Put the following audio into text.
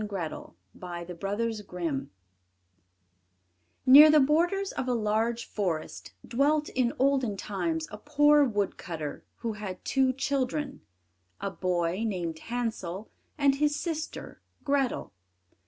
CHAPTER IV HANSEL AND GRETHEL Near the borders of a large forest dwelt in olden times a poor wood cutter, who had two children a boy named Hansel, and his sister, Grethel.